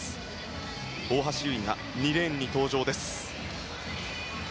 大橋悠依が２レーンに登場です。